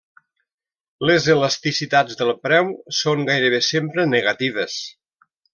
Les elasticitats del preu són gairebé sempre negatives.